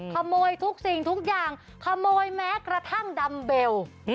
ขโมยทุกสิ่งทุกอย่างขโมยแม้กระทั่งดำเบล